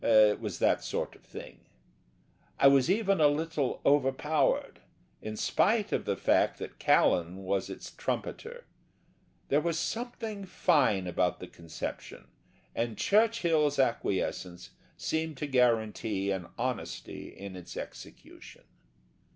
It was that sort of thing. I was even a little overpowered, in spite of the fact that Callan was its trumpeter; there was something fine about the conception and Churchill's acquiescence seemed to guarantee an honesty in its execution.